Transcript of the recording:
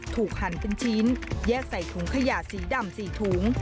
หั่นเป็นชิ้นแยกใส่ถุงขยะสีดำ๔ถุง